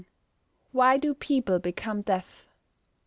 _Why do people become deaf?